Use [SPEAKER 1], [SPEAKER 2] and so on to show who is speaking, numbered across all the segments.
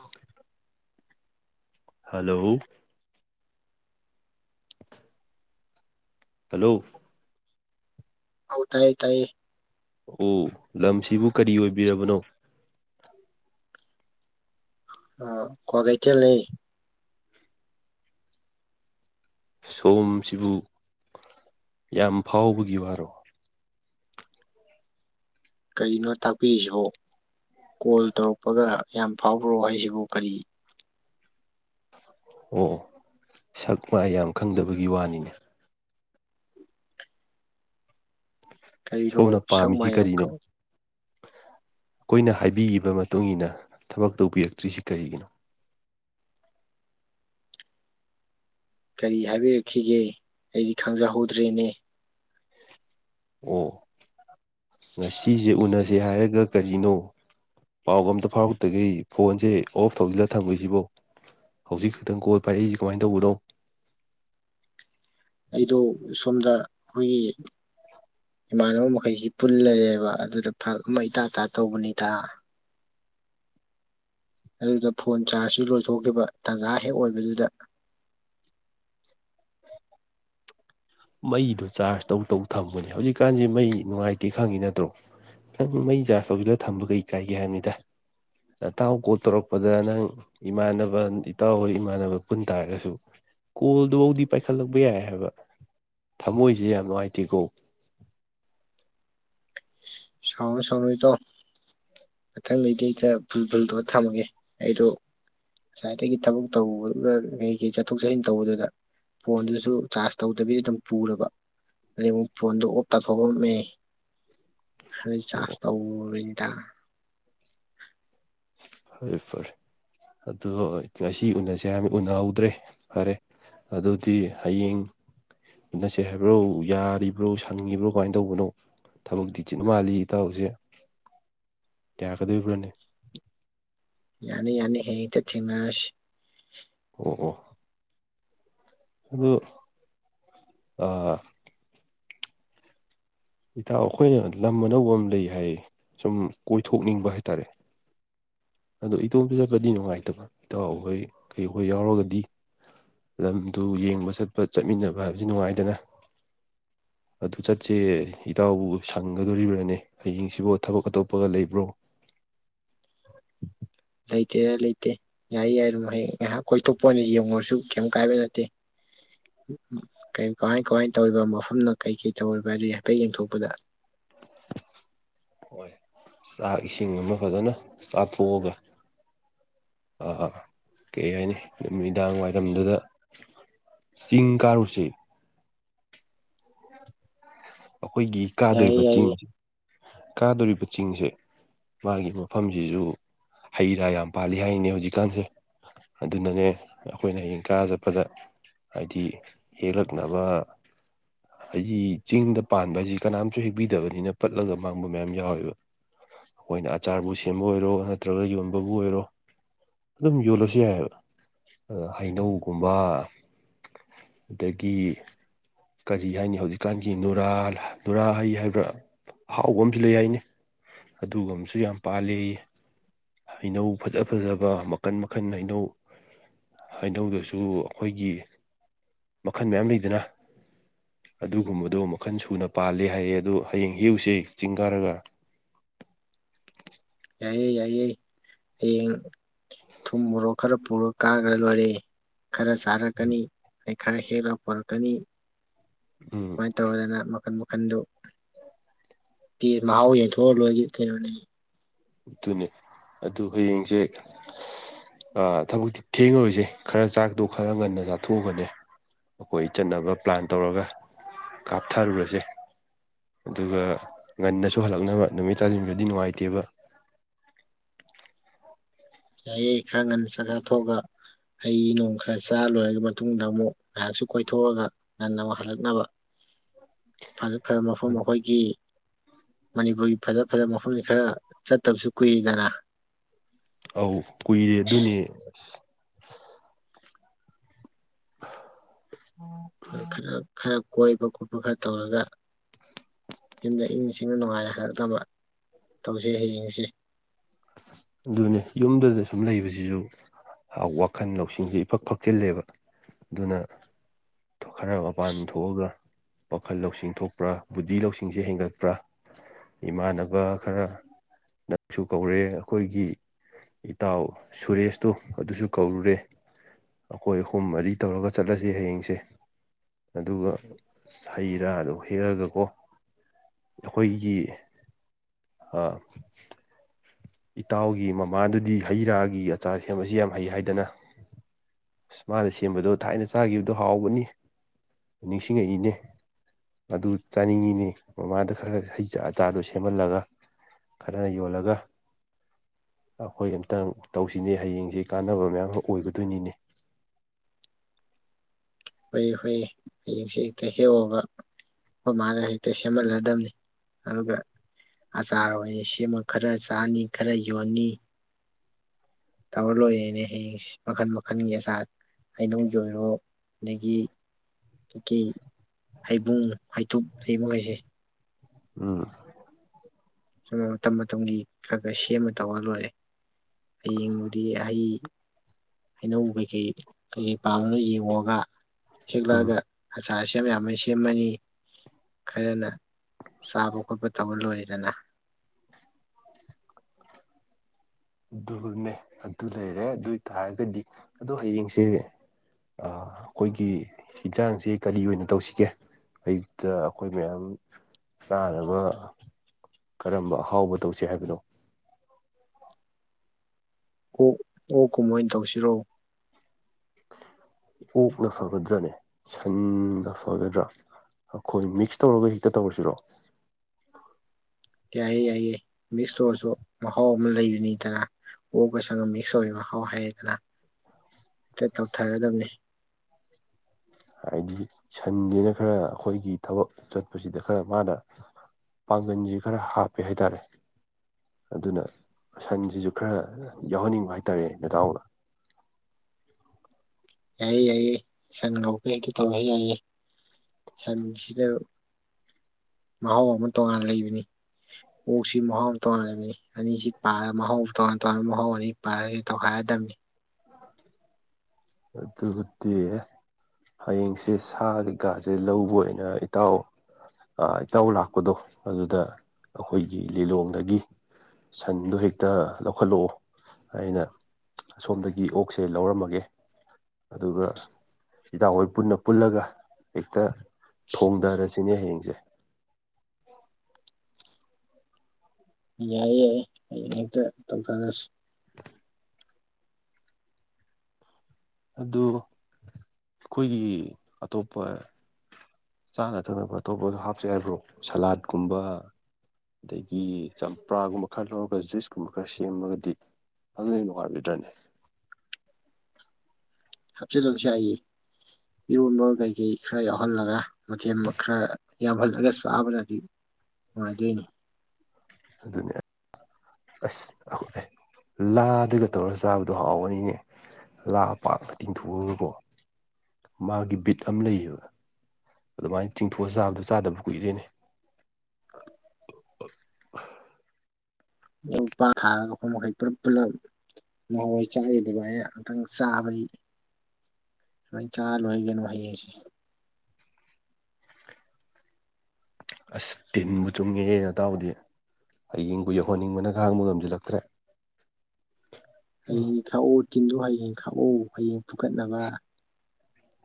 [SPEAKER 1] ꯑ
[SPEAKER 2] hello hello
[SPEAKER 1] ꯍꯧ ꯇꯥꯏ ꯇꯥꯏ
[SPEAKER 2] ꯑꯣ ꯂꯝꯁꯤꯕꯨ ꯀꯔꯤ ꯑꯣꯏꯕꯤꯔꯕꯅꯣ
[SPEAKER 1] ꯀ꯭ꯋꯥ ꯀꯩꯊꯦꯜꯅꯤ
[SPEAKER 2] ꯁꯣꯝꯁꯤꯕꯨ ꯌꯥꯝ ꯐꯥꯎꯕꯒꯤ ꯋꯥꯔꯣ
[SPEAKER 1] ꯀꯔꯤꯅꯣ ꯇꯥꯛꯄꯤꯔꯤꯁꯤꯕꯨ ꯀꯣꯜ ꯇꯧꯔꯛꯄꯒ ꯌꯥꯝ ꯐꯥꯎꯕ꯭ꯔꯣ ꯍꯥꯏꯁꯤꯕꯨ ꯀꯔꯤ
[SPEAKER 2] ꯑꯣ ꯑꯣ ꯁꯛ ꯃꯥꯏ ꯌꯥꯝ ꯈꯪꯗꯕꯒꯤ ꯋꯥꯅꯤꯅꯦ
[SPEAKER 1] ꯀꯔꯤꯅꯣ
[SPEAKER 2] ꯁꯣꯝꯅ
[SPEAKER 1] ꯁꯛ
[SPEAKER 2] ꯄꯥꯝꯃꯤꯁꯤ
[SPEAKER 1] ꯃꯥꯏ ꯌꯥꯝ
[SPEAKER 2] ꯀꯔꯤꯅꯣ
[SPEAKER 1] ꯈꯪ-
[SPEAKER 2] ꯑꯩꯈꯣꯏꯅ ꯍꯥꯏꯕꯤꯈꯤꯕ ꯃꯇꯨꯡ ꯏꯟꯅ ꯊꯕꯛ ꯇꯧꯕꯤꯔꯛꯇ꯭ꯔꯤꯁꯤ ꯀꯔꯤꯒꯤꯅꯣ
[SPEAKER 1] ꯀꯔꯤ ꯍꯥꯏꯕꯤꯔꯛꯈꯤꯒꯦ ꯑꯩꯗꯤ ꯈꯪꯖꯍꯧꯗ꯭ꯔꯦꯅꯦ
[SPEAKER 2] ꯑꯣ ꯉꯁꯤꯁꯦ ꯎꯅꯁꯦ ꯍꯥꯏꯔꯒ ꯀꯔꯤꯅꯣ ꯄꯥꯎꯒ ꯑꯝꯇ ꯐꯥꯎꯔꯛꯇꯒꯩ ꯐꯣꯟꯁꯦ ꯑꯣꯐ ꯇꯧꯁꯤꯜꯂ ꯊꯝꯒ꯭ꯔꯤꯁꯤꯕꯣ ꯍꯧꯖꯤꯛ ꯈꯛꯇꯪ ꯀꯣꯜ ꯄꯥꯏꯔꯛꯏꯁꯤ ꯀꯃꯥꯏꯅ ꯇꯧꯕꯅꯣ
[SPEAKER 1] ꯑꯩꯗꯣ ꯁꯣꯝꯗ ꯑꯩꯈꯣꯏꯒꯤ ꯏꯃꯥꯟꯅꯕ ꯃꯈꯩꯁꯤ ꯄꯨꯜꯒ ꯂꯩꯕ ꯑꯗꯨꯗ ꯐꯔꯛ ꯑꯃ ꯏꯇꯥ ꯇꯥ ꯇꯧꯕꯅꯤꯗ ꯑꯗꯨꯗ ꯐꯣꯟ ꯆꯥꯔꯖꯁꯨ ꯂꯣꯏꯊꯣꯛꯈꯤꯕ ꯇꯥꯟꯖꯥ ꯍꯦꯛ ꯑꯣꯏꯕꯗꯨꯗ
[SPEAKER 2] ꯃꯩꯗꯣ ꯆꯥꯔꯖ ꯇꯧ ꯇꯧ ꯊꯝꯃꯨꯅꯦ ꯍꯧꯖꯤꯛꯀꯥꯟꯁꯦ ꯃꯩ ꯅꯨꯡꯉꯥꯏꯇꯦ ꯈꯪꯉꯤ ꯅꯠꯇ꯭ꯔꯣ ꯐꯣꯟꯗꯨ ꯃꯩ ꯆꯥꯔꯖ ꯇꯧꯁꯤꯜꯂ ꯊꯝꯕ ꯀꯩ ꯀꯥꯏꯒꯦ ꯍꯥꯏꯕꯅꯤꯗ ꯅꯇꯥꯎ ꯀꯣꯜ ꯇꯧꯔꯛꯄꯗ ꯅꯪ ꯏꯃꯥꯟꯅꯕ ꯏꯇꯥꯎ ꯍꯣꯏ ꯏꯃꯥꯟꯅꯕ ꯄꯨꯟ ꯇꯥꯔꯒꯁꯨ ꯀꯣꯜꯗꯨ ꯐꯧꯗꯤ ꯄꯥꯏꯈꯠꯂꯛꯄ ꯌꯥꯏ ꯍꯥꯏꯕ ꯊꯃꯣꯏꯁꯦ ꯌꯥꯝ ꯅꯨꯡꯉꯥꯏꯇꯦꯀꯣ
[SPEAKER 1] ꯁꯥꯎꯅꯨ ꯁꯥꯎꯅꯨ ꯏꯇꯥꯎ ꯃꯊꯪꯗꯩꯗꯤ ꯑꯩ [unintelligible] ꯐꯨꯜ ꯐꯨꯜ ꯇꯧꯔ ꯊꯝꯃꯒꯦ ꯑꯩꯗꯣ ꯉꯁꯥꯏꯗꯒꯤ ꯊꯕꯛ ꯇꯧꯔꯨꯕꯗꯨꯗ ꯀꯩ ꯀꯩ ꯆꯠꯊꯣꯛ ꯆꯠꯁꯤꯟ ꯇꯧꯕꯗꯨꯗ ꯐꯣꯟꯗꯨꯁꯨ ꯆꯥꯔꯖ ꯇꯧꯗꯕꯤ ꯑꯗꯨꯝ ꯄꯨꯔꯕ ꯑꯗꯩ ꯑꯃꯨꯛ ꯐꯣꯟꯗꯣ ꯑꯣꯞ ꯇꯥꯊꯣꯛ ꯑꯝꯃꯦ [unintelligible] ꯆꯥꯔꯆ
[SPEAKER 2] ꯑꯣ
[SPEAKER 1] ꯇꯧꯔꯨ [unintelligible]
[SPEAKER 2] ꯐꯔꯦ ꯐꯔꯦ ꯑꯗꯣ ꯉꯁꯤ ꯎꯅꯁꯦ ꯍꯥꯏꯕꯅꯦ ꯎꯅꯍꯧꯗ꯭ꯔꯦ ꯐꯔꯦ ꯑꯗꯩꯗꯤ ꯍꯌꯦꯡ ꯎꯅꯁꯦ ꯍꯥꯏꯕ꯭ꯔꯣ ꯌꯥꯔꯤꯕ꯭ꯔꯣ ꯁꯥꯡꯉꯤꯕ꯭ꯔꯣ ꯀꯃꯥꯏꯅ ꯇꯧꯕꯅꯣ ꯊꯕꯛꯇꯤ ꯆꯤꯟ ꯃꯥꯜꯂꯤꯍꯦ ꯏꯇꯥꯎꯁꯦ ꯌꯥꯔꯛꯀꯗꯧꯔꯤꯕ꯭ꯔꯣꯅꯦ
[SPEAKER 1] ꯌꯥꯅꯤ ꯌꯥꯅꯤ ꯍꯌꯦꯛ ꯍꯦꯛꯇ ꯊꯦꯡꯅꯔꯁꯤ
[SPEAKER 2] ꯑꯣ ꯑꯣ ꯑꯗꯣ ꯑꯥ ꯏꯇꯥꯎ ꯑꯩꯈꯣꯏꯅ ꯂꯝ ꯑꯅꯧꯕ ꯑꯃ ꯂꯩ ꯍꯥꯏꯌꯦ ꯁꯨꯝ ꯀꯣꯏꯊꯣꯛꯅꯤꯡꯕ ꯍꯥꯏꯇꯥꯔꯦ ꯑꯗꯣ ꯏꯇꯣꯝꯇ ꯆꯠꯄꯗꯤ ꯅꯨꯡꯉꯥꯏꯇꯕ ꯏꯇꯥꯎꯍꯣꯏ ꯀꯩꯍꯣꯏ ꯌꯥꯎꯔꯒꯗꯤ ꯂꯝꯗꯨ ꯌꯦꯡꯕ ꯆꯠꯄ ꯆꯠꯃꯤꯟꯅꯕ ꯍꯥꯏꯕꯁꯤ ꯅꯨꯡꯉꯥꯏꯗꯅ ꯑꯗꯨ ꯆꯠꯁꯦ ꯏꯇꯥꯎꯕꯨ ꯁꯪꯒꯗꯣꯔꯤꯕ꯭ꯔꯅꯦ ꯍꯌꯦꯡꯁꯤꯕꯨ ꯊꯕꯛ ꯑꯇꯣꯞꯄꯒ ꯂꯩꯕ꯭ꯔꯣ
[SPEAKER 1] ꯂꯩꯇꯦꯗ ꯂꯩꯇꯦ ꯌꯥꯏ ꯌꯥꯏ ꯑꯗꯨꯝ ꯉꯥꯏꯍꯥꯛ ꯀꯣꯏꯊꯣꯛꯄ ꯑꯣꯏꯅ ꯌꯦꯡꯉꯨꯔꯁꯨ ꯀꯦꯝ ꯀꯥꯏꯕ ꯂꯩꯇꯦ ꯎꯝ ꯀꯦꯝ ꯀꯃꯥꯏ ꯀꯃꯥꯏ ꯇꯧꯔꯤꯕ ꯃꯐꯝꯅ ꯀꯩ ꯀꯩ ꯇꯧꯔꯤꯕ ꯍꯥꯏꯗꯤ ꯍꯥꯏꯐꯦꯠ ꯌꯦꯡꯊꯣꯛꯄꯗ
[SPEAKER 2] [inaudible] ꯍꯣꯏ ꯆꯥꯛ ꯏꯁꯤꯡ ꯑꯃ ꯐꯖꯅ ꯆꯥꯊꯣꯛꯑꯒ ꯑ ꯑꯥ ꯀꯩ ꯍꯥꯏꯅꯤ ꯅꯨꯃꯤꯗꯥꯡ ꯋꯥꯏꯔꯝꯗꯨꯗ ꯆꯤꯡ ꯀꯥꯔꯨꯁꯦ ꯑꯩꯈꯣꯏꯒꯤ
[SPEAKER 1] ꯌꯥꯏꯌꯦ
[SPEAKER 2] ꯀꯥꯗꯣꯔꯤꯕ
[SPEAKER 1] ꯌꯥꯏꯌꯦ
[SPEAKER 2] ꯆꯤꯡꯖꯦ ꯀꯥꯗꯣꯔꯤꯕ ꯆꯤꯡꯁꯦ ꯃꯥꯒꯤ ꯃꯐꯝꯁꯤꯁꯨ ꯍꯩ ꯔꯥ ꯌꯥꯝ ꯄꯥꯜꯂꯤ ꯍꯥꯏꯅꯦ ꯍꯧꯖꯤꯛꯀꯥꯟꯁꯦ ꯑꯗꯨꯅꯅꯦ ꯑꯩꯈꯣꯏꯅ ꯍꯌꯦꯡ ꯀꯥ ꯆꯠꯄꯗ ꯍꯥꯏꯗꯤ ꯍꯦꯛꯂꯛꯅꯕ ꯍꯥꯏꯗꯤ ꯆꯤꯡꯗ ꯄꯥꯟꯕ ꯍꯥꯏꯁꯤ ꯀꯅꯥꯝꯁꯨ ꯍꯦꯛꯄꯤꯗꯕꯅꯤꯅ ꯄꯠꯂꯒ ꯃꯥꯡꯕ ꯃꯌꯥꯝ ꯌꯥꯎꯌꯦꯕ ꯍꯣꯏꯅ ꯑꯆꯥꯔꯕꯨ ꯁꯦꯝꯕ ꯑꯣꯏꯔꯣ ꯅꯠꯇ꯭ꯔꯒ ꯌꯣꯟꯕꯕꯨ ꯑꯣꯏꯔꯣ ꯑꯗꯨꯝ ꯌꯣꯜꯂꯁꯨ ꯌꯥꯏꯌꯦꯕ ꯑ ꯍꯩꯅꯧꯒꯨꯝꯕ ꯑꯗꯒꯤ ꯀꯔꯤ ꯍꯥꯏꯅꯤ ꯍꯧꯖꯤꯛꯀꯥꯟꯒꯤ ꯅꯨꯠ__ ꯔꯥꯟ ꯅꯨꯔꯥ ꯍꯩ ꯍꯥꯏꯕ꯭ꯔꯥ ꯑꯍꯥꯎꯕ ꯑꯃꯁꯨ ꯂꯩ ꯍꯥꯏꯅꯦ ꯑꯗꯨꯒꯨꯝꯁꯨ ꯌꯥꯝ ꯄꯥꯜꯂꯦ ꯌꯦ ꯍꯩꯅꯧ ꯐꯖ ꯐꯖꯕ ꯃꯈꯟ ꯃꯈꯟ ꯍꯩꯅꯧ ꯍꯥꯏꯅꯧꯗꯁꯨ ꯑꯩꯈꯣꯏꯒꯤ ꯃꯈꯜ ꯃꯌꯥꯝ ꯂꯩꯗꯅ ꯑꯗꯨꯒꯨꯝꯕꯗꯣ ꯃꯈꯟ ꯁꯨꯅ ꯄꯥꯜꯜꯂꯤ ꯍꯥꯏꯌꯦ ꯑꯗꯣ ꯍꯌꯦꯡ ꯍꯦꯛꯎꯁꯦ ꯆꯤꯡ ꯀꯔꯒ
[SPEAKER 1] ꯌꯥꯏꯌꯦ ꯌꯥꯏꯌꯦ ꯍꯌꯦꯡ ꯊꯨꯝ ꯃꯣꯔꯣꯛ ꯈꯔ ꯄꯨꯔꯛ ꯀꯥꯈ꯭ꯔ ꯂꯣꯏꯔꯦ ꯈꯔ ꯆꯥꯔꯛꯀꯅꯤ ꯑꯗꯩ ꯈꯔ ꯍꯦꯛꯂꯒ ꯄꯨꯔꯛꯀꯅꯤ
[SPEAKER 2] ꯎꯝ
[SPEAKER 1] ꯀꯃꯥꯏꯅ ꯇꯧꯔꯗꯅ ꯃꯈꯟ ꯃꯈ ꯐꯟꯗꯣ ꯀꯤ ꯃꯍꯥꯎ ꯌꯦꯟꯊꯣꯛꯑ ꯂꯣꯏꯒꯤ ꯀꯩꯅꯣꯅꯤ
[SPEAKER 2] ꯑꯗꯨꯨꯅꯦ ꯑꯗꯨ ꯍꯌꯦꯡꯁꯦ ꯊꯕꯛꯇꯤ ꯊꯦꯡꯉꯣꯏꯁꯦ ꯈꯔ ꯆꯥꯛꯇꯣ ꯈꯔ ꯉꯟꯅ ꯆꯥꯊꯣꯛꯑꯒꯅꯦ ꯑꯩꯈꯣꯏ ꯆꯠꯅꯕ ꯄ꯭ꯂꯥꯟ ꯇꯧꯔꯒ ꯀꯥꯞꯊꯔꯨꯔꯁꯦ ꯑꯗꯨꯒ ꯉꯟꯅꯁꯨ ꯍꯜꯂꯛꯅꯕ ꯅꯨꯃꯤꯠ ꯇꯥꯁꯤꯟꯁꯨꯗꯤ ꯅꯨꯡꯉꯥꯏꯇꯦꯕ
[SPEAKER 1] ꯌꯥ ꯈꯔ ꯉꯟꯅ ꯆꯥꯛꯒꯥ ꯆꯥꯊꯣꯛꯑꯒ ꯍꯩ ꯅꯣꯡ ꯈꯔ ꯆꯥ ꯂꯣꯏꯔꯕ ꯃꯇꯨꯡꯗ ꯑꯃꯨꯛ ꯉꯥꯏꯍꯥꯛꯁꯨ ꯀꯣꯏꯊꯣꯛꯑꯒ ꯅꯟꯅ ꯍꯂꯛꯅꯕ ꯐꯖ ꯐꯖꯕ ꯃꯐꯝ ꯑꯩꯈꯣꯏꯒꯤ ꯃꯅꯤꯄꯨꯔꯒꯤ ꯐꯖ ꯐꯖꯕ ꯃꯐꯝꯁꯦ ꯈꯔ ꯆꯠꯇꯕꯁꯨ ꯀꯨꯏꯔꯤꯗꯅ
[SPEAKER 2] ꯑꯧ ꯀꯨꯏꯔꯦ ꯑꯗꯨꯅꯦ ꯑ [inaudible]
[SPEAKER 1] ꯈꯔ ꯈꯔ ꯀꯣꯏꯕ ꯈꯣꯠꯄ ꯈꯔ ꯇꯧꯔꯒ ꯌꯨꯝꯗ ꯏꯪꯅ ꯆꯤꯛꯅ ꯅꯨꯡꯉꯥꯏꯅ ꯍꯜꯂꯛꯅꯕ ꯇꯧꯁꯤ ꯍꯌꯦꯡꯁꯤꯦ
[SPEAKER 2] ꯑꯗꯨꯅꯦ ꯌꯨꯝꯗꯗ ꯁꯨꯝ ꯂꯩꯕꯁꯤꯁꯨ ꯋꯥꯈꯜ ꯂꯧꯁꯤꯡꯁꯦ ꯏꯐꯛ ꯐꯛꯆꯤꯜꯂꯦꯕ ꯑꯗꯨꯅ ꯈꯔ ꯃꯄꯥꯟ ꯊꯣꯛꯑꯒ ꯄꯥꯈꯜ ꯂꯧꯁꯤꯡ ꯊꯣꯛꯄ꯭ꯔꯥ ꯕꯨꯙꯤ ꯂꯧꯁꯤꯡꯁꯦ ꯍꯦꯟꯒꯠꯄ꯭ꯔꯥ ꯏꯃꯥꯟꯅꯕ ꯈꯔ ꯅꯪꯁꯨ ꯀꯧꯔꯦ ꯑꯩꯈꯣꯏꯒꯤ ꯏꯇꯥꯎ ꯁꯨꯔꯦꯁꯇꯣ ꯑꯗꯨꯁꯨ ꯀꯧꯔꯨꯔꯦ ꯑꯩꯈꯣꯏ ꯑꯍꯨꯝ ꯃꯔꯤ ꯇꯧꯔꯒ ꯆꯠꯂꯁꯤ ꯍꯌꯦꯡꯁꯦ ꯑꯗꯨꯒ ꯍꯩ ꯔꯥꯗ ꯍꯦꯛꯑꯒꯀꯣ ꯑꯩꯈꯣꯏꯒꯤ ꯑ ꯏꯇꯥꯎꯒꯤ ꯃꯃꯥꯗꯨꯗꯤ ꯍꯩ ꯔꯥꯒꯤ ꯑꯆꯥꯔ ꯁꯦꯝꯕꯁꯤ ꯌꯥꯝ ꯍꯩ ꯍꯥꯏꯗꯅ ꯑꯁ ꯃꯥꯅ ꯁꯦꯝꯕꯗꯣ ꯊꯥꯏꯅ ꯆꯥꯈꯤꯕꯗꯣ ꯍꯥꯎꯕꯅꯤ ꯅꯤꯡꯁꯤꯡꯉꯛꯏꯅꯦ ꯑꯗꯨ ꯆꯥꯅꯤꯡꯉꯤꯅꯦ ꯃꯃꯥꯗ ꯈꯔ ꯈꯔ ꯍꯩꯆꯥꯥꯆꯥꯗꯣ ꯁꯦꯝꯍꯜꯂꯒ ꯈꯔꯅ ꯌꯣꯜꯂꯒ ꯑꯩꯈꯣꯏ ꯑꯝꯇꯪ ꯇꯧꯁꯤꯅꯦ ꯍꯌꯦꯡꯁꯤ ꯀꯥꯟꯅꯕ ꯃꯌꯥꯝ ꯑꯣꯏꯒꯗꯣꯏꯅꯤꯅꯦ
[SPEAKER 1] ꯍꯣꯏ ꯍꯣꯏ ꯍꯌꯦꯡꯁꯦ ꯍꯦꯛꯇ ꯍꯦꯛꯑꯒ ꯍꯣꯏ ꯃꯥꯅ ꯍꯦꯛꯇ ꯁꯦꯝꯍꯜꯂꯗꯗꯝꯅꯤ ꯑꯗꯨꯒ ꯑꯆꯥꯔ ꯑꯣꯏꯅ ꯁꯦꯝꯃ ꯈꯔ ꯆꯥꯅꯤ ꯈꯔ ꯌꯣꯟꯅꯤ ꯇꯧꯔ ꯂꯣꯏꯔꯦꯅꯦ ꯍꯌꯦꯡ ꯃꯈꯟ ꯃꯈꯜꯒꯤ ꯆꯥꯛ ꯍꯩꯅꯧꯒꯤ ꯑꯣꯏꯔꯣ ꯑꯗꯒꯤ ꯀꯩꯀꯩ ꯍꯩꯕꯨꯡ ꯍꯩꯇꯨꯞ ꯂꯩꯕꯈꯩꯁꯦ
[SPEAKER 2] ꯎꯝ
[SPEAKER 1] ꯁ ꯃꯇꯝ ꯃꯇꯝꯒꯤ ꯈ ꯈ ꯁꯦꯝꯃ ꯇꯧꯔꯒ ꯂꯣꯏꯔꯦ ꯍꯌꯦꯡꯕꯨꯗꯤ ꯍꯩ ꯍꯩꯅꯧ ꯀꯩꯀꯩ ꯀꯩꯀꯩ ꯄꯥꯝꯅ ꯌꯦꯡꯉꯒ
[SPEAKER 2] ꯎꯝ
[SPEAKER 1] ꯍꯦꯛꯂꯛꯑꯒ ꯑꯆꯥꯔ ꯁꯦꯝ ꯌꯥꯝꯃ ꯁꯦꯝꯃꯅꯤ ꯈꯔꯅ ꯆꯥꯕ ꯈꯣꯠꯄ ꯇꯧꯕꯔ ꯂꯣꯏꯔꯦꯗꯅ
[SPEAKER 2] ꯑꯗꯨꯅꯦ ꯑꯗꯨ ꯂꯩꯔꯦ ꯑꯗꯨ ꯑꯣꯏꯇꯥꯔꯒꯗꯤ ꯑꯗꯨ ꯍꯌꯦꯡꯁ ꯑꯩꯈꯣꯏꯒꯤ ꯌꯦꯟꯁꯥꯡꯁꯦ ꯀꯔꯤ ꯑꯣꯏꯅ ꯇꯧꯁꯤꯒꯦ ꯑꯌꯨꯛꯇ ꯑꯩꯈꯣꯏ ꯃꯌꯥꯝ ꯆꯥꯅꯕ ꯀꯔꯝꯕ ꯑꯍꯥꯎꯕ ꯇꯧꯁꯤ ꯍꯥꯏꯕꯅꯣ
[SPEAKER 1] ꯑꯣ ꯑꯣ ꯀꯨꯝꯃꯅ ꯇꯧꯁꯤꯔꯣ
[SPEAKER 2] ꯑꯣꯛꯅ ꯐꯒꯗ꯭ꯔꯅꯦ ꯁꯟꯅ ꯐꯒꯗ꯭ꯔꯥ ꯑꯩꯈꯣꯏ ꯃꯤꯛꯁ ꯇꯧꯔꯒ ꯍꯦꯛꯇ ꯇꯧꯔꯁꯤꯔꯣ
[SPEAKER 1] ꯌꯥꯏꯑꯦ ꯌꯥꯏꯑꯦ ꯃꯤꯛꯁꯇꯣꯔꯁꯨ ꯃꯍꯥꯎ ꯑꯃ ꯂꯩꯕꯅꯤꯗꯅ ꯎꯕ ꯁꯪꯒꯝ ꯃꯤꯛꯁ ꯑꯣꯏꯕ ꯍꯥꯎ ꯍꯥꯏꯗꯅ ꯇꯧꯊꯒꯗꯕꯅꯤ
[SPEAKER 2] ꯍꯥꯏꯗꯤ ꯁꯟꯁꯤꯦꯅ ꯈꯔ ꯑꯩꯈꯣꯏꯒꯤ ꯊꯕꯛ ꯆꯠꯄꯁꯤꯗ ꯈꯔ ꯃꯥꯗ ꯄꯥꯡꯒꯟꯁꯤ ꯈꯔ ꯍꯥꯞꯄꯦ ꯍꯥꯏꯇꯥꯔꯦ ꯑꯗꯨꯅ ꯁꯟꯁꯤꯁꯨ ꯈꯔ ꯌꯥꯎꯍꯟꯅꯤꯡꯕ ꯍꯥꯏꯇꯥꯔꯦ ꯅꯦꯗꯥꯎꯅ
[SPEAKER 1] ꯌꯥꯏꯌꯦ ꯌꯥꯏꯌꯦ ꯏꯁꯟ ꯉꯈ ꯍꯛꯇ ꯇꯧꯔꯦ ꯌꯥꯏꯌꯦ ꯁꯟꯁꯤꯗ ꯃꯍꯥꯎ ꯑꯃ ꯇꯣꯉꯥꯟꯅ ꯂꯩꯕꯅꯤ ꯑꯣꯛꯁꯤ ꯃꯍꯥꯎ ꯇꯉꯜꯔꯕꯃꯤ ꯑꯅꯤꯁꯤ ꯄꯥꯔꯒ ꯃꯍꯥꯎ ꯇꯣꯉꯥꯟ ꯇꯣꯉꯥꯟꯥꯟꯕ ꯃꯍꯥꯎ ꯑꯅꯤ ꯄꯥꯏꯔꯒ ꯇꯧꯈꯥꯏꯔꯗꯕꯅꯤ
[SPEAKER 2] ꯑꯗꯨꯠꯇ ꯀꯠꯇꯔꯤꯦ ꯍꯌꯦꯡꯁꯦ ꯁꯥꯒꯤ ꯒꯥꯥꯁꯦ ꯂꯧꯕ ꯑꯣꯏꯅ ꯏꯇꯥꯎ ꯏꯇꯥꯎ ꯂꯥꯛꯄꯗꯣ ꯑꯗꯨꯗ ꯑꯩꯈꯣꯏꯒꯤ ꯂꯤꯂꯣꯡꯗꯒꯤ ꯁꯟꯗꯣ ꯍꯦꯛꯇ ꯂꯧꯈꯠꯂꯛꯑꯣ ꯑꯩꯅ ꯑꯁꯣꯝꯗꯒꯤ ꯑꯣꯛꯁꯦ ꯂꯧꯔꯝꯃꯒꯦ ꯑꯗꯨꯒ ꯍꯤꯗꯥꯛ ꯍꯣꯏ ꯄꯨꯟꯅ ꯄꯨꯜꯂꯒ ꯍꯦꯛꯇ ꯊꯣꯡꯊꯔꯁꯤ ꯇꯨꯅꯦ ꯍꯌꯦꯡꯁꯦ
[SPEAKER 1] ꯌꯥꯏꯌꯦ ꯌꯥꯏꯌꯦ ꯑꯩ ꯍꯦꯛꯇ ꯇꯧꯊꯔꯁꯤ
[SPEAKER 2] ꯑꯗꯨ ꯑꯩꯈꯣꯏꯒꯤ ꯑꯇꯣꯞꯄ ꯆꯥꯅ ꯊꯛꯅꯕ ꯑꯇꯣꯞꯄꯗ ꯍꯥꯞꯄ ꯌꯥꯏꯕ꯭ꯔꯣ ꯁꯂꯥꯠꯀꯨꯝꯕ ꯑꯗꯒꯤ ꯆꯝꯄ꯭ꯔꯥꯒꯨꯝꯕ ꯈꯔ ꯂꯧꯔꯒ ꯖꯨꯏꯁꯀꯨꯝꯕ ꯈꯔ ꯁꯦꯝꯃꯒꯗꯤ ꯑꯗꯨ ꯅꯨꯡꯉꯥꯏꯔꯕꯤꯗ꯭ꯔꯅꯦ
[SPEAKER 1] ꯍꯥꯞꯆꯤꯟꯜꯂꯕꯁꯦ ꯑꯩ ꯏꯔꯣꯟꯕ ꯀꯩꯀꯩ ꯈꯔ ꯌꯥꯎꯍꯜꯂꯒ ꯃꯊꯦꯜ ꯈꯔ ꯌꯥꯎꯍꯜꯂꯒ ꯆꯥꯕꯅꯗꯤ ꯅꯨꯡꯉꯥꯏꯗꯣꯏꯅꯤ
[SPEAKER 2] ꯑꯗꯨꯅ ꯑꯁ ꯑꯣꯏ ꯑꯦ ꯂꯥꯗꯒ ꯇꯧꯔ ꯆꯥꯕꯗꯣ ꯍꯥꯎꯕꯅꯤꯅꯦ ꯂꯥ ꯄꯥꯛꯅ ꯇꯤꯡꯊꯣꯛꯑꯒꯀꯣ ꯃꯥꯒꯤ ꯕꯤꯠ ꯑꯃ ꯂꯩꯌꯦꯕ ꯑꯗꯨꯃꯥꯏꯅ ꯆꯤꯡꯊꯣꯛꯑꯒ ꯆꯥꯕꯗꯨ ꯆꯥꯗꯕ ꯀꯨꯏꯔꯔꯤꯅꯦ
[SPEAKER 1] ꯄ ꯊꯥꯔꯒ ꯑꯩꯈꯣꯏ ꯃꯈꯩ ꯄꯨꯂꯞ ꯄꯨꯂꯞ ꯅꯍꯥꯟꯋꯥꯏ ꯆꯥꯈꯤꯗꯨꯚ ꯑꯩ ꯑꯨꯛꯇꯪ ꯆꯥꯕꯩ ꯂꯣꯏꯅ ꯆꯥꯔ ꯂꯣꯏꯒꯦꯅꯣ ꯍꯌꯦꯡꯁꯦ
[SPEAKER 2] ꯑꯁ ꯇꯤꯟꯕꯨ ꯆꯨꯝꯉꯦ ꯍꯅ ꯇꯥꯕꯨꯗꯤ ꯍꯌꯤꯡꯕꯨ ꯌꯧꯍꯟꯅꯤꯡꯕꯅ ꯈꯥꯡꯕ ꯉꯝꯁꯤꯜꯂꯛꯇ꯭ꯔꯦ
[SPEAKER 1] ꯍꯌꯦꯡꯒꯤ ꯈꯛꯎ ꯇꯤꯟꯗꯨꯣ ꯍꯌꯦꯡ ꯈꯥꯛꯎ ꯍꯌꯦꯡ ꯐꯨꯀꯠꯅꯕ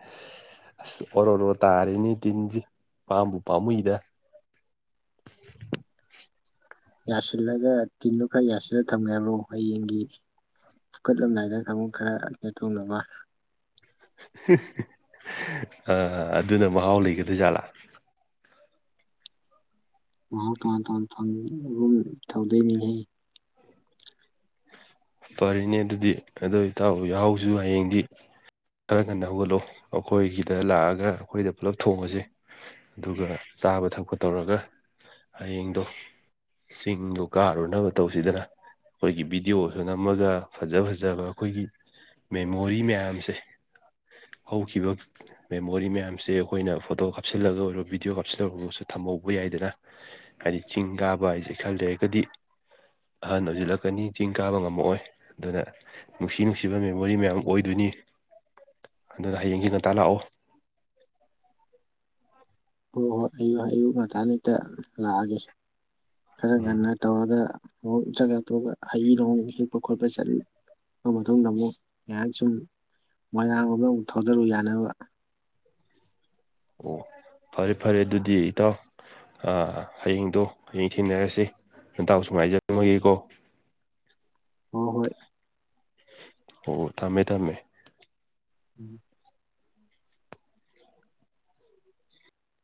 [SPEAKER 2] [inaudible] ꯑꯁ ꯑꯣꯔꯣꯔꯣ ꯇꯥꯔꯤꯅꯤ ꯇꯤꯟꯁꯦ ꯄꯥꯝꯕꯨ ꯄꯥꯝꯃꯨꯏꯗ
[SPEAKER 1] ꯌꯥꯁꯤꯜꯂꯒ ꯇꯤꯟꯗꯨꯣ ꯈꯔ ꯌꯥꯁꯤꯜꯂ ꯊꯝꯃꯦꯦꯕ꯭ꯔꯣ ꯍꯌꯦꯡꯒꯤ ꯐꯨꯀꯠꯂꯝꯗꯥꯏꯗ ꯀꯥꯡꯕꯨ ꯈꯔ ꯅ ꯇꯣꯡꯅꯕ
[SPEAKER 2] ꯑꯗꯨꯅ ꯃꯍꯥꯎ ꯂꯩꯒꯗ꯭ꯔꯖꯥꯠꯂꯥ
[SPEAKER 1] ꯃꯍꯥꯎ ꯇꯣꯉꯥꯟ ꯇꯣꯉꯥꯟ ꯐꯪꯒꯨꯝ ꯇꯧꯗꯣꯏꯅꯤꯉ
[SPEAKER 2] ꯇꯣꯔꯤꯅꯦ ꯑꯗꯨꯗꯤ ꯑꯗꯨ ꯏꯇ ꯌꯥꯎꯁꯨ ꯍꯌꯦꯡꯗꯤ ꯈꯔ ꯀꯟꯅ ꯍꯧꯒꯠꯂꯛꯑꯣ ꯑꯩꯈꯣꯏꯒꯤꯗ ꯂꯥꯛꯑꯒ ꯑꯩꯈꯣꯏꯗ ꯄꯨꯂꯞ ꯊꯣꯡꯉꯁꯦ ꯑꯗꯨꯒ ꯆꯥꯕ ꯊꯛꯄ ꯇꯧꯔꯒ ꯍꯌꯦꯡꯗꯣ ꯆꯤꯡꯗꯣ ꯀꯥꯔꯨꯅꯕ ꯇꯧꯁꯤꯗꯅ ꯑꯩꯈꯣꯏꯒꯤ ꯚꯤꯗꯤꯑꯣ ꯑꯗꯨꯅꯝ ꯑꯃꯒ ꯐꯖ ꯐꯖꯕ ꯑꯩꯈꯣꯏꯒꯤ ꯃꯦꯃꯣꯔꯤ ꯃꯌꯥꯝꯁꯦ ꯍꯈꯤꯕꯈꯤꯕ ꯃꯦꯃꯣꯔꯤ ꯃꯌꯥꯝꯁꯦ ꯑꯩꯈꯣꯏꯅ ꯐꯣꯇꯣ ꯀꯥꯞꯁꯤꯜꯂꯒ ꯑꯣꯏꯔꯣ ꯚꯤꯗꯤꯑꯣ ꯀꯥꯞꯆꯁꯤꯜꯂ ꯑꯣꯏꯔꯁꯨ ꯊꯝꯍꯧꯕ ꯌꯥꯏꯗꯅ ꯍꯥꯏꯗꯤ ꯆꯤꯡ ꯀꯥꯕ ꯍꯥꯏꯁꯦ ꯈꯔ ꯂꯩꯔꯒꯗꯤ ꯑꯍꯟ ꯑꯣꯏꯁꯤꯜꯂꯛꯀꯅꯤ ꯆꯤꯡ ꯀꯥꯕ ꯉꯝꯃꯛꯑꯣꯏ ꯑꯗꯨꯅ ꯅꯨꯡꯁꯤ ꯅꯨꯡꯁꯤꯕ ꯃꯦꯃꯣꯔꯤ ꯃꯌꯥꯝ ꯑꯣꯏꯗꯣꯏꯅꯤ ꯑꯗꯨꯅ ꯍꯌꯦꯡꯒꯤ ꯉꯟꯇꯥ ꯂꯥꯛꯑꯣ
[SPEAKER 1] ꯍꯣꯏ ꯍꯣꯏ ꯑꯌꯨꯛ ꯑꯌꯨꯛ ꯉꯟꯇꯥꯅꯤꯛꯇ ꯂꯥꯛꯑꯒꯦ ꯈꯔ
[SPEAKER 2] ꯎꯝ
[SPEAKER 1] ꯉꯟꯅ ꯇꯧꯔꯒ ꯖꯒꯥ ꯇꯑꯒ ꯍꯩ ꯅꯅꯨꯡꯣꯡ ꯍꯦꯛꯄ ꯈꯣꯠꯄ ꯆꯠꯂꯨ ꯃꯇꯨꯡꯗ ꯑꯃꯨꯛ ꯃ ꯁꯨꯝ ꯃꯣꯏꯔꯥꯡ ꯑꯃꯗ ꯑꯃꯨꯛ ꯊꯧꯗꯔꯨ ꯌꯥꯅꯕ
[SPEAKER 2] ꯑꯣ ꯐꯔꯦ ꯐꯔꯦ ꯑꯗꯨꯗꯤ ꯏꯇꯥꯎ ꯍꯌꯦꯡꯗꯣ ꯍꯌꯦꯡ ꯊꯦꯡꯅꯔꯁꯤ ꯅꯟꯇꯥꯛꯁꯨ ꯉꯥꯏꯖꯔꯃꯒꯤꯀꯣ
[SPEAKER 1] ꯍꯣꯏ ꯍꯣꯏ
[SPEAKER 2] ꯑꯣ ꯊꯝꯃꯦ ꯊꯝꯃꯦ
[SPEAKER 1] ꯎꯝ